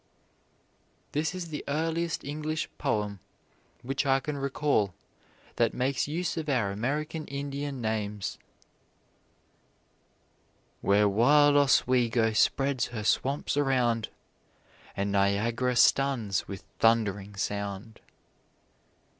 This is the earliest English poem which I can recall that makes use of our American Indian names: "Where wild Oswego spreads her swamps around, And Niagara stuns with thundering sound."